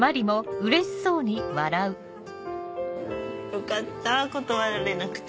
よかった断られなくて。